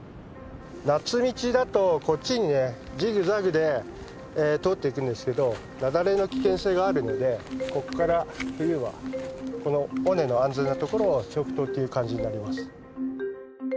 夏道だとこっちにねジグザグで通っていくんですけど雪崩の危険性があるのでここから冬はこの尾根の安全なところを直登っていう感じになります。